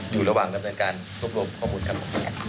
อยู่ระหว่างการรวมข้อมูลครับ